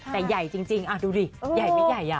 แต่ใหญ่จริงดูดิใหญ่ไม่ใหญ่